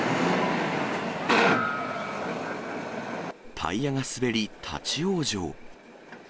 タイヤが滑り、立往生。